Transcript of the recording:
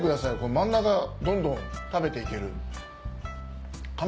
真ん中どんどん食べて行ける。